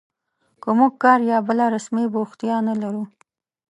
که موږ کار یا بله رسمي بوختیا نه لرو